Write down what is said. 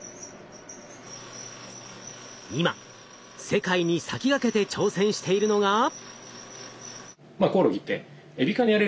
今世界に先駆けて挑戦しているのが。